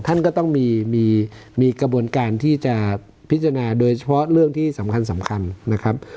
ท่านก็ต้องมีกระบวนการที่จะพิจารณาโดยเฉพาะเรื่องที่สำคัญนะครับ